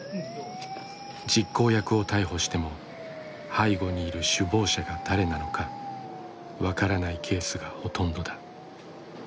実行役を逮捕しても背後にいる首謀者が誰なのか分からないケースがほとんどだ。